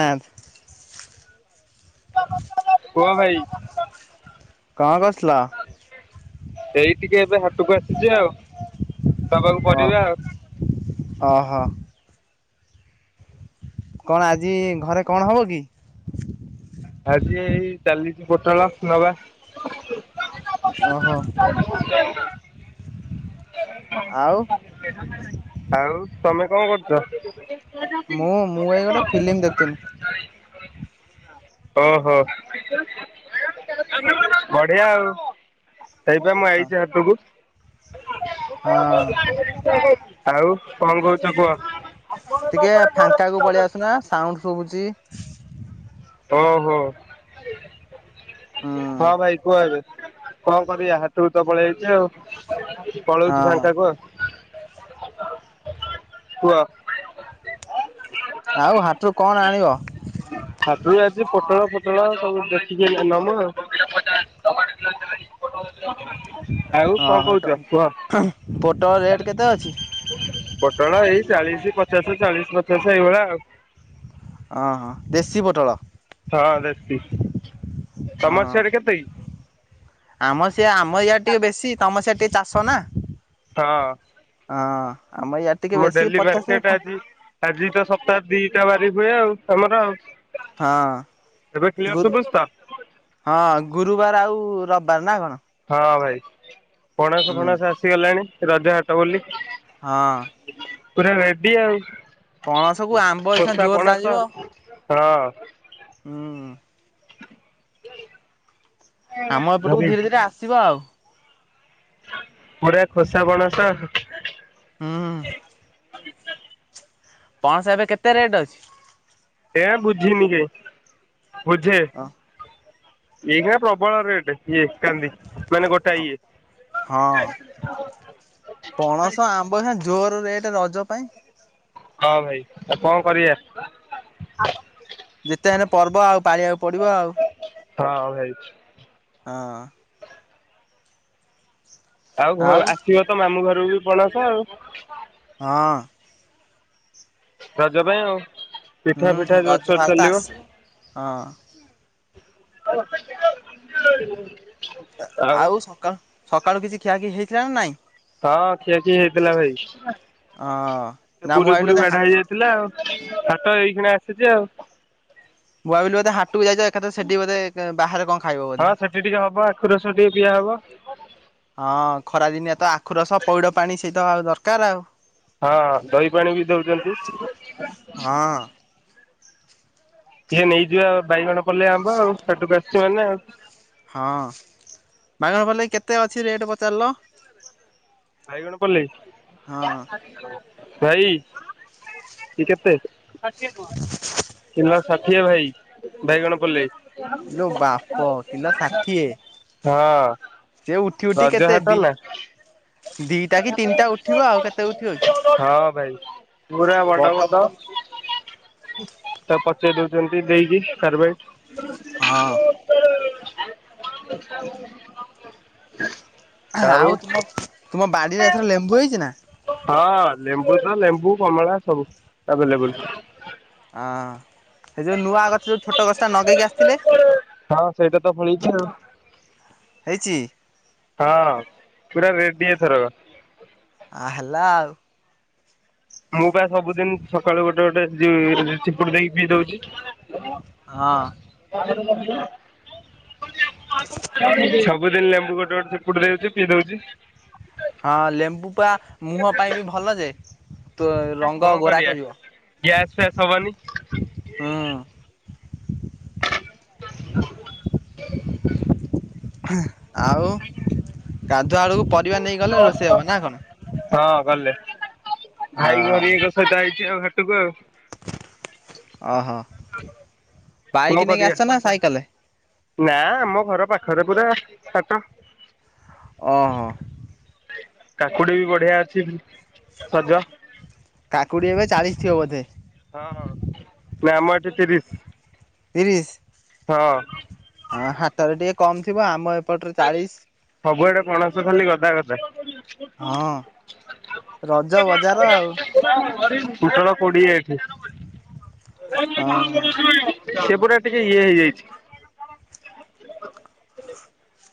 ବାଦ [inaudible] କୁହ ଭାଇ। କଣକୁସିଲା [inaudible] ସେଇ ଟିକେ ଏବେ ହାତ ବସିଛି ଆଉ। ଦବାକୁ ଓ ପଡିବ ଆଉ। ଓହୋ କଣ ଆଜି ଘରେ କଣ ହବ କି ଆଜି ଏଇ ଚାଲିଛି ପୋଟାଳ ନବା ଓ ହୋ। ଆଉ ତମେ କଣ କରୁଛ। ମୁଁ ମୁଁ ଏଇ ଗୋଟେ ଫିଲ୍ମ ଦେଖୁଥିଲି। [inaudible] ଓହୋ ବଢିଆ ଆଉ। ହେଇପା ମୁଁ ଆଇଛି ହାଟକୁ। ହଁ [inaudible] ଆଉ କଣ କରୁଛ କୁହ। ସବୁଜି। ଓ ହୋ। ହୁଁ ହଁ ଭାଇ କୁହ ଏବେ। କଣ କରିବା ହାଟକୁ ତ ପଳେଇ ଆଇଛି ଆଉ। ପଳଉଛି ହଁ ଫାଙ୍କାକୁ। [inaudible] କୁହ। ଆଉ ହାଟରୁ କଣ ଆଣିବ। ହାଟରୁ ଆଜିି ପୋଟଳ ପୋଟଳ ସବୁ ଦେଖିକି ନାମ ହଁ କୁହ? ହ ପୋଟ ରେ କେତେ ଅଛି। ପଟଳ ଏଇ ଚାଳିଶ ପଚାଶ ଚାଳିଶ ପଚାଶ ଏଇଭଳିଆ ଆଉ। ଅ ହଁ ଦେଶୀ ପୋଟଳ। ହଁ ଦେଶୀ [inaudible] ହ ତମର ସିଆଡେ କେତେ କି? ଆମ ସେ ଆମ ଇଆ ଟିକେ ବେଶୀ ତମ ସେ ଟିକେ ଚାଷ ନା। ହଁ ହଁ ଇଆଡେ ଟିକେ ଆମ ବେଶୀ ଡେଲି ପଚାଶ ମାର୍କେଟ ଆଛି ଆଜି ତ ସପ୍ତାହ ଦିଟା ବାରି ହୁଏ ଆଉ ଆମର ଆଉ। ହଁ ଏବେ କ୍ଲିୟର ଗୁରୁ। ଶୁଭୁଛି ତ? ହଁ ଗୁରୁବାର ଆଉ ର ବାର ନା କଣ। ହଁ। ହଁ ଭାଇ। ପଣସ ଫଣାସ ହଁ ଆସିଗଲାଣି। ରଜହାଟ ବୋଲି। ପୁରା ରେଡି ଆଉ। ପଣସ କୁ ଆମ୍ବ ଏଖିନା ଖୋସା ଜୋର ପଣସ ଚାଲିିବ ହଁ ହୁଁ। ଆମ ଏପଟକୁ ଧରି ଧୀରେ ଧୀରେ ଆସିବ ଆଉ। ପୁରା ଖୋସା ପଣସ। ହୁଁ। ପଣସ ଏବେ କେତେ ରେଟ୍ ଅଛି? ଏଁ ବୁଝିନି କି। ବୁଝେ। ଏଇଗୁଳା ପ୍ରବଳ ରେଟ୍ ଇଏ କାନ୍ଦି। ମାନେ ଗୋଟାଏ ହଁ ଇଏ। ପଣସ ଆମ୍ବ ଏ ଜୋର ରେଟ୍ ରଜ ପାଇଁ। ହଁ ଭାଇ ଆଉ କଣ କରିଆ? ଯେତେ ହେଲେ ପର୍ବ ଆଉ ପାଳିବାକୁ ପଡିବ ଆଉ। ହଁ ଭାଇ ହଁ। ଆଉ ଘ ଆସିବ ତ ମାମୁଁ ଘର? ପୁରୀ ପଣସ ଆଉ। ହଁ। ରଜ ପାଇଁ ଆଉ। ହୁଁ ପିଠା ଫିଠା ରଜ ଜୋରସୋର ଭାର ତ ଚାଲିବ ଆସିବ ହଁ। [inaudible] ଆଉ ସକାଳ ସକାଳୁ କିଛି ଖିଆଖି ହେଇଥିଲା ନା ନାଇଁ? ହଁ ଖିଆଖି ହେଇଥିଲା ଭାଇ। ହଁ। ସେ ନା ମୁଁ ପୁରି ଭାବିଲି ଫୁରି ବୋଧେ ବାଡା ହେଇଯାଇଥିଲା। ହାଟ ଏଇକ୍ଷିଣା ସେ ଯାଉ। ମୁଁ ଭାବିଲି ବୋଧେ ହାଟକୁ ଯାଚ ଏକାଥେରେ ସେଠି ବୋଧେ ବାହାରେ କଣ ଖାଇବ ବୋଧେ। ହଁ ସେଠି ଟିକେ ହବ ଆଖୁ ରସ ଟିକେ ପିଆ ହବ ହଁ ଖରା ଦିନିଆ ତ ଆଖୁ ରସ, ପଇଡ଼ ପାଣି ସେଇ ତ ଆଉ ଦରକାର ଆଉ। ହଁ ଦହି ପାଣି ବି ଦଉଚନ୍ତି। ହଁ। ଇଏ ନେଇଯିବା ବାଇଗଣ ପଲେଇ ଆମ୍ବ, ଆଉ ହାଟକୁ ଆସିଚି ମାନେ ଆଉ। ହଁ ବାଇଗଣ ପଲେଇ କେତେ ଅଛି ରେଟ୍ ପଚାରିଲ। ବାଇଗଣ ପଲେଇ ହଁ ଭାଇ ଇଏ କେତେ? ଷାଠିଏ ଟଙ୍କା କିଲ ଷାଠିଏ ଭାଇ। ବାଇଗଣ ପଲେଇ ଇଲୋ ବାପ କିଲ ଷାଠିଏ ହଁ। ସେ ଉଠି ଉଠି ରଜ କେତେ ହାଟ ଦି ନା ଦିଟା କି ତିନିଟା ଉଠିବ ଆଉ କେତେ ଉଠିବ କି? ହଁ ଭାଇ ପୁରା ବଡ ବଡ ତା ପଚେଇ ଦଉଛନ୍ତି ଦେଇକି କାର୍ବାଇଟ ହଁ। [inaudible] ହ ଆଉ ତୁମ ତୁ ବାଡିରେ ଏଥର ଲେମ୍ବୁ ହେଇଛି ନା ହଁ ଲେମ୍ବୁ ତ ଲେମ୍ବୁ କମଳା ସବୁ ଏଭେଲେବୁଲ ହ। ସେ ଯୋଉ ନୂଆ ଗଛ ଯୋଉ ଛୋଟ ଗଛ ଟା ଲଗେଇକି ଆସିଥିଲେ ହଁ ସେଇଟା ତ ଫଳିଛି ଆଉ ହେଇଛି। ହଁ ପୁରା ରେଡିଥର ହଉ। ମୁଁ ବା ସବୁଦିନ ସକାଳୁ ଗୋଟେ ଗୋଟେ ଚି ଚିପୁଡି ଦେଇକି ପିଇ ଦଉଛି। ହ ହ। ହଁ ସବୁଦିନ ଲେମ୍ବୁ ଗୋଟେ ଗଟେ ସେକୁଟ ଦଉଛି ପିଇ ଦଉଛି। ହଁ ଲେମ୍ବୁ ପା ମୁହଁ ପାଇଁ ବି ଭଲ ଯେ ତୋ ରଙ୍ଗ କଣ ଗୋରା କରିବା କରିବ। ଗ୍ୟାସ୍ ଫ୍ୟାସ୍ ହବନି ହୁଁ [unintelligible] ହଁ। ଆଉ ଗାଧୁଆ ଆଳକୁ ପରିବା ନେଇ ଗଲେ ରୋଷେଇ ହବ ନା କଣ ହଁ ଗଲେ ଅ ଭାଇ ଘରଙ୍କ ସହିତ ହେଇଛି ଆଉ ଏବେ ଓହୋ। କଣ ବାଇକ ନେଇକି କରିବା। ଆସଛ ନା ସାଇକେଲ ନା ଆମ ଘର ପାଖରେ ପୁରୁରା ସାତ ଓହୋ କାକୁଡି ବି ବଢିଆ ଅଛି ସଜ କାକୁଡି ଏବେ ଚାଳିଶ ଥିବ ବୋଧେ ହଁ ହ ନ ଆମ ତିରିଶ ହଁ। ତିରିଶ ହାଟରେ ଟିକ କମ୍ ଥିବ ଆମ ଏପଟରେ ଚାଳିଶ ସବୁଆଡେ ପଣସ ଖାଲି ଗଦା କଥାା ହଁ ରଜ ବଜାର ଆଉ କୁଟଳ [inaudible] କୋଡିଏ ଏଠି [inaudible] ହଁ ସେ ପୁରା ଟିକେ ଇଏ ହେଇଯାଇଛି,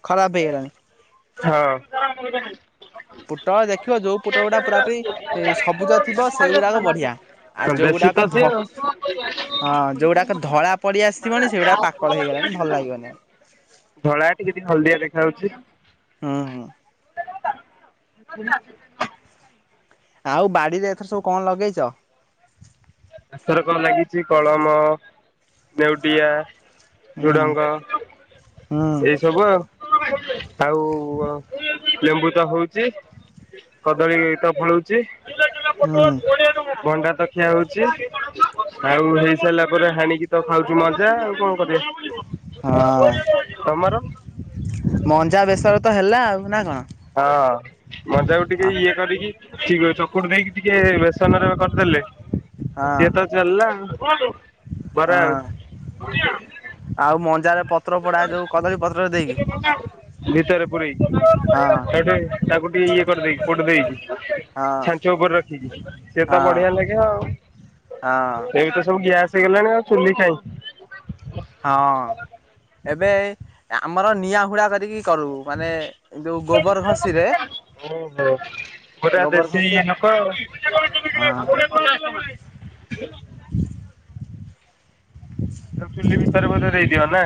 ଖରାପ ହେଇଗଲାଣିି ହଁ [inaudible] ପୁଟ ଦେଖିବ ଯୋଉ ପୁଟ ଗୁଡା ପୁରାପୁରି ସବୁଜ ଥିବ ସେଇଗୁଡାକ ବଢିଆ ଆଉ ଦେଶୀ ତ ଯୋଉଗୁଡାକ ଧ ସିଏ ହଁ ଆଉ। ଯୋଉଗୁଡାକ ଧଳା ପଡି ଆସିଥିବନି ସେଇଗୁଡାକ ପାକଳ ହେଇଗଲାଣି ଭଲ ଲାଗିବନି ଧଳା ଆଉ ଟିକେ ଟିକେ ହଳଦିଆ [unintelligible] ହଁ [unintelligible] ଆଉ ବାଡିରେ ଏଥର ସବୁ କଣ ଲଗେଇଛ। ଏଥର କଣ ଲାଗିଛି କଳମ ନେଉଟିଆ। ହୁଁ ଝୁଡଙ୍ଗ ହୁଁ ଏଇ ସବୁ ଆଉ ଆଉ। ଲେମ୍ବୁ ତ ହଉଛି କଦଳୀ ତ ଫଳୁଛି। ହୁଁ। ଭଣ୍ଡା ତ ଖିଆ ହଉଛି। ଆଉ ହେଇସାରିଲା ପରେ ହାଣିକି ତ ଖାଉଛୁ ମଜା ଆଉ କଣ କରିବା। ହଁ। ତମର ମଞ୍ଜା ବେଶରେ ତ ହେଲା ଆଉ ନା କଣ। ହଁ ମଞ୍ଜାକୁ ଟିକେ ହଁ ଇଏ କରିକି ଠିକ୍ ଅଛି ଚକୁଟ୍ ଦେଇକି ଟିକେ ବେସନର କରଦେଲେ। ହଁ ସିଏ ତ ଚାଲଲା ଆଉ ବରା ହଁ ଆଉ। ଆଉ ମଞ୍ଜାରେ ପତ୍ର ପୋଡା ଯୋଉ କଦଳୀ ପତ୍ରରେ ଦେଇକି ଭିତରେ ପୁରେଇକି ହଁ ସେଇଠେ ତାକୁ ଟିକେ ଇଏ କରଦେଇକି ପୋଡ ଦେଇକି ହଁ ଛାଞ୍ଚ ଉପରେ ରଖିକି ସେ ତ ହଁ ବଢିଆ ଲାଗେ ଆଉ ହଁ ଏବେ ତ ସବୁ ଗ୍ୟାସ୍ ହେଇଗଲାଣି ଆଉ ଚୁଲି କାଇଁ ହଁ। ଏବେ ଆମର ନିଆଁ ହୁଡ଼ା କରିକି କରୁ ମାନେ ଯୋଉ ଗୋବର ଘଷିରେ ଓହୋ ପୁରା ଗୋବର ଦେଶୀ ଘଷି ନୋକ ଆଉ। ହଁ ତାକୁ ଚୁଲି ଭିତରେ ବୋଧେ ଦେଇଦିଅ ନା।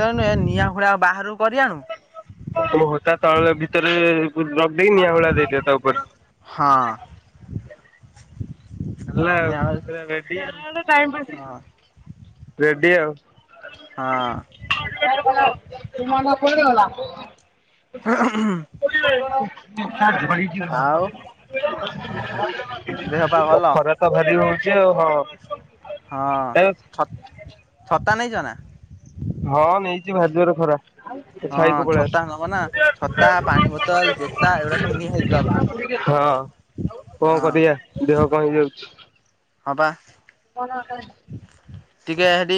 ତାକୁ ନାଇ ନିଆଁ ହୁଳାକୁ ବାହାରକୁ କରି ଆଣୁ ଓହୋ ତା ତଳେ ଭିତରେ ଦେଇ ନିିଆ ହୁଳା ଦେଇ ଦିଅ ତା ଉପରେ ହଁ ହେଲା ଆଉ ନିଆଁ ପୁରା ରେଡି ଆଉ ହଁ ରେଡ୍ ଡି ଆଉ [inaudible] ହଁ [inaudible] [inaudible] ହଁ। ଆଉ [inaudible] ଦେହ ପା ଭଲ [unintelligible] ା ଭାରି ହଉଛି ଆଉ [inaudible] ହଁ। ଏ ହଁ [inaudible] ତାନେ ଜନା ହଁ ନେଇଛି ଭାଜୁର ଖରା ହଁ ଛାଇକୁ ଛତା ନବ ନା ପଳେଇ ଆସ ଛତା ପାଣି ବୋତଲ ଜୋତା ଏଗୁଡା ସବୁ ନିହାତି ଜରୁରୀ ହଁ କଣ କରିବାଆ ଦେହ କଣ ହେଇଯାଉଛି, ହଁ ବା କଣ କ [inaudible] ଟିକେ ହେଠ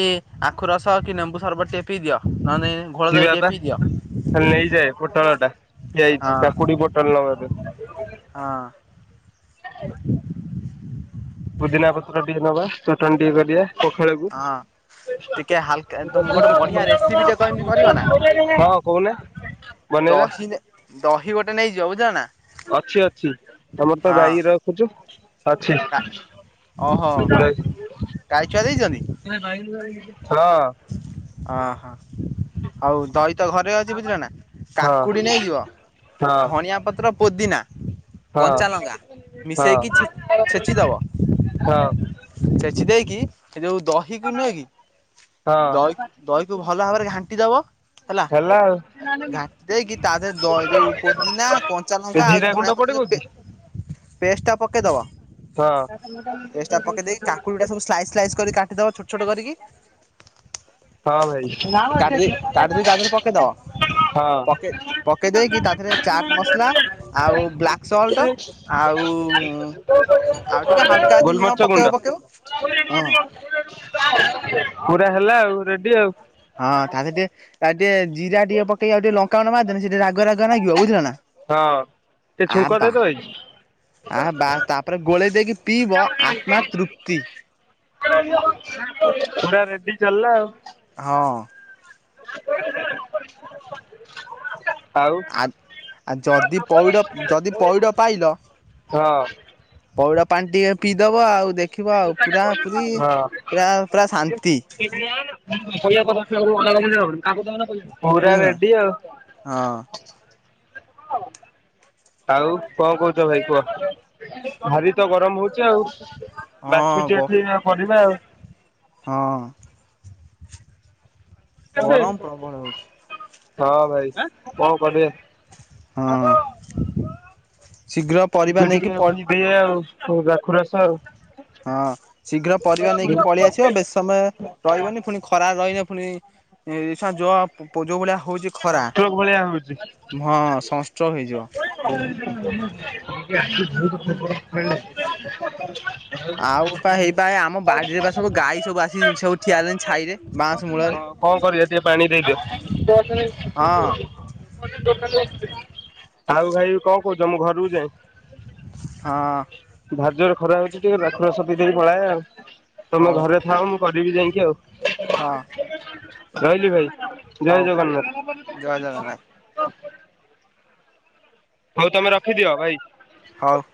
ଆଖୁ ରସ କି ନେମ୍ବୁ ସରବତ ଟେ ପିଇ ଦିଅ ନହେଲେ ଘୋଳ ଦହି ଯିବା ଟିକେ ତା ପିଇ ଦିଅ ଖାଲି ନେଇଯାଏ ପୋଟଳ ଟା ଯାଇଛି ହଁ କାକୁଡି ପୋଟଲ ନଗବେ ହଁ ପୁଦିନା ପତ୍ର ଟିକେ ନବା ଚଟଣ ଟିକେ କରିବା ପଖାଳକୁ ହଁ ଟିକେ ହାଲକା ତମ ଗୋଟେ ବଢିଆ ରେସିପି ଟେ କହିମି କରିବ ନା ହଁ କହୁନ ବନେଇବା ଦହି ନେ ଦହି ଗୋଟେ ନେଇଯିବ ବୁଝିଲ ନା ଅଛି ଅଛି ତମର ତ ହଁ ଗାଈ ରଖୁଛୁ, ଅଛି ଓହୋ କାଈଛୁଆ ଦେଇଛନ୍ତି, ଏ ନାଇ ହ ହ [inaudible] ହଉଉ [inaudible] ତ ଘରେ ଅଛି ବୁଝିଲ ନା ହଁ କାକୁଡି ନେଇଯିବ ହଁ ଧଣିଆ ପତ୍ର ପଦ୍ଦିନା ହଁ କଞ୍ଚା ଲଙ୍କା ହଁ ମିଶେଇକିଛ ଛେଚି ଦବ ହଁ ଛେଚି ଦେଇକି କି ଏ ଯୋଉ ଦହିକୁ ନୁହେଁ କି ହଁ ଦହିକୁ ଦହିକୁ ଭଲ ଭାବରେ ଘାଣ୍ଟି ଦବ ହେଲା ଘାଟି ଦେଇକି ତାରେ ଯୋଉ ପୋଦିନା କଞ୍ଚା ଲଙ୍କା ଆଉ ଜିରା ଗୁଣ୍ଡ ଧଣିଆ ପ ପଡିବ କି? ପେଷ୍ଟ ଟା ପକେଇଦବ ହଁ। ହଁ ପେଷ୍ଟ ଟା ପକେଇ ଦେଇକି କାକୁଡିଟା ସବାଇ କାଟିଦବ ଛୋଟ ଛୋଟ କରିକି କାଟି ଦେଇ କାଟି ଦେଇ ତା ଦେହରେ ହଁ ପକେଇଦବ ପକେଇ ପକେଇ ଦେଇକି ତା ଦେହରେ ଭାଇ ଚାଟ୍ ମସଲା ଆଉ ବ୍ଲାକ୍ ସଲ୍ଟ ହଁ ଆଉ ଆଉ ଟିକେ ହାଲକା ଯଦି ଲୁଣ ପକେଇବ ଗୋଲମର୍ଛ ପକେଇବ ହଁ ଗୁଣ୍ଡ ପୁରା ହେଲା ଆଉ। ରେଡି ଆଉ। ହଁ ତାଲେ ଟ ଟେ ଜିରା ଟିକେ ପକେଇ ଆଉ ଟେ କଣ ସେଠି ରାଗ ରାଗ ଲାଗିବ ବୁଝିଲ ହଁ। ଟିକେ ନା ଛୁଙ୍କ ବା ଦେଇଦବ କି? ଆ ବା ତାପରେ ଗୋଳେଇ ଦେଇକି ପିବ ଆତ୍ମା ତୃପ୍ତି [inaudible] ପୁରା ରେଡି ଚାଲିଲା ଆଉ। ହଁ। [unintelligible] ଆ ଆ ଯଦି ପଇଡ ଯଦି ପଇଡ ପାଇଲ ହଁ ପଇଡ ପାଣି ଟିକେ ପିଇଦବ ଆଉ। ଦେଖିବ ଆଉ ପୁରା ପୁରି ହଁ। ପୁରା ପୁରା ଶାନ୍ତି [unintelligible] ପୁରା ବୁଝିଲ ନା ରେଡି ଆଉ। ହଁ। ହଁ। ଆଉ କଣ କହୁଛ ଭାଇ କୁହ ଭାରି ତ ଗରମ ହଉଛି ଆଉ। ହଁ ବାଛୁଛି ଗ ଏଠି ପରିବା ଆଉ। ହଁ। ଗରମ ପ୍ରବଳ ହେଉଛି। ହଁ ଭାଇ କଣ କରିବେ। ହଁ। ଶୀଘ୍ର ପରିବା ନେଇକି ପ ଓଉ ରାଖୁ ରସ ଆଉ। ହଁ ଶୀଘ୍ର ପରିବା ନେଇକି ପଳେଇ ଆସିବ। ବେଶି ସମୟ ରହିବନି ପୁଣି ଖରା ରହନେ ପୁଣିସ ଯ ପୋଜ ଭଳିଆ ହଉଛି ଖରା ସଂସ୍କୁ ଭଳିଆ ହୋଉଚି। ହଁ ସନଷ୍ଟ୍ରୋକ ହେଇଯିବ। [unintelligible] ଆଉ ପା ହେଇପା ଆମ ବାଡିରେ ବା ସବୁ ଗାଈ ସବୁ ଆସି ସବୁ ଠିଆ ହେଲାଣି ଛାଇରେ ବାଉଁଶ ମୂଳରେ। କଣ କରିବା ଟିକେ ପାଣି ଦେଇଦିଅ। ହଁ [unintelligible] ଆଉ ଖାଇ କଣ କହୁଛ ମୁଁ ଘରକୁ ଯାଏଁ। ହଁ। ଧାଯ୍ୟରେ ଖରା ହଉଛି ଟିକେ ରାଖୁ ରସ ପି ଦେଇକି ପଳାଏ ଆଉ। ତମେ ହଉ ଘରେ ଥାଅ ମୁଁ ଲିଭ୍ ଯାଇକି ଆଉ। ହଁ। ରହିଲି ଭାଇ। ଜୟ ହଉ ଜଗନ୍ନାଥ। ଜୟ ଜଗନ୍ନାଥ। ହଉ ତମେ ରଖିଦିଅ ଭାଇ। ହୋଉ।